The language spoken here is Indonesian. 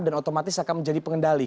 dan otomatis akan menjadi pengendali